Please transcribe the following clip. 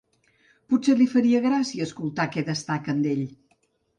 Potser li faria gràcia escoltar què destaquen d'ell.